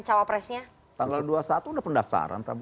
cawa presnya tanggal dua puluh satu udah pendaftaran